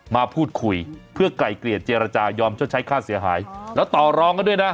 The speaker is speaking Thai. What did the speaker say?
มาพูดคุยเพื่อไกลเกลี่ยเจรจายอมชดใช้ค่าเสียหายแล้วต่อรองกันด้วยนะ